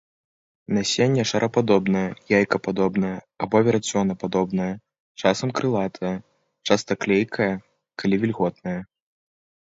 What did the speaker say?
Насенне шарападобнае, яйкападобнае або верацёнападобнае, часам крылатае, часта клейкае, калі вільготнае.